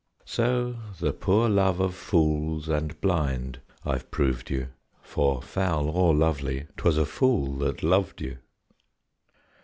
So ... the poor love of fools and blind I've proved you, For, foul or lovely, 'twas a fool that loved you.